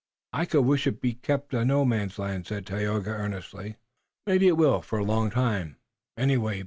"I could wish it to be kept a No Man's land," said Tayoga earnestly. "Maybe it will for a long time, anyway.